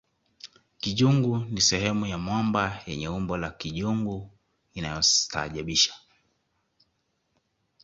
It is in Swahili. kijungu ni sehemu ya mwamba yenye umbo la kijungu inayostaajabisha